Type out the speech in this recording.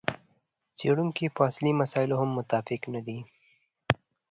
څېړونکي په اصلي مسایلو هم متفق نه دي.